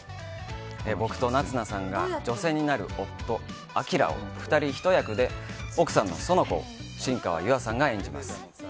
僕と夏菜さんが女性になる夫・晶を２人一役で奥さんの苑子を新川優愛さんが演じます。